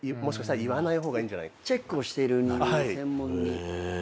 チェックをしてる人間が専門に。